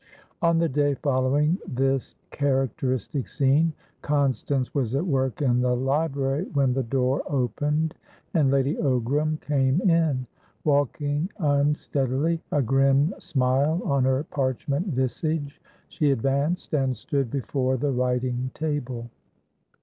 On the day following this characteristic scene, Constance was at work in the library, when the door opened, and Lady Ogram came in. Walking unsteadily, a grim smile on her parchment visage, she advanced and stood before the writing table.